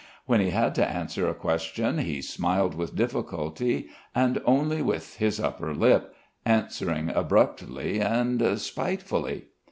When he had to answer a question he smiled with difficulty and only with his upper lip, answering abruptly and spitefully.